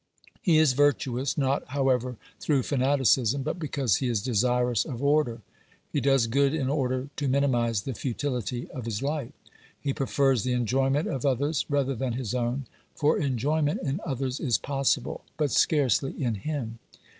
He is virtuous, not, however, through fanaticism, but because he is desirous of order. He does good in order to minimise the futility of his life ; he prefers the enjoyment no OBERMANN of others rather than his own, for enjoyment in others is possible, but scarcely in him.